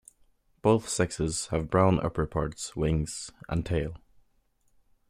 Both sexes have brown upperparts, wings and tail.